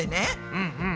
うんうん。